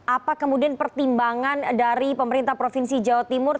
apa kemudian pertimbangan dari pemerintah provinsi jawa timur